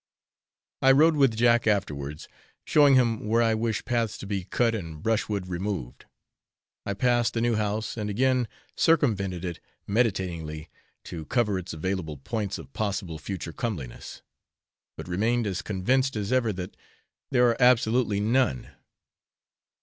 I rode with Jack afterwards, showing him where I wish paths to be cut and brushwood removed. I passed the new house, and again circumvented it meditatingly to discover its available points of possible future comeliness, but remained as convinced as ever that there are absolutely none.